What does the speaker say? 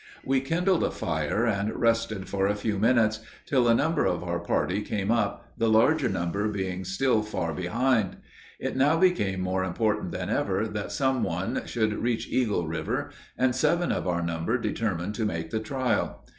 We kindled a fire, and rested for a few minutes, till a number of our party came up, the larger number being still far behind. It now became more important than ever that some one should reach Eagle river, and seven of our number determined to make the trial.